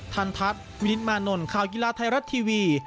ทันทัศน์วินิตมานนท์ข่าวกีฬาไทยรัฐทีวี